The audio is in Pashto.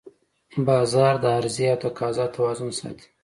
بازار د عرضې او تقاضا توازن ساتي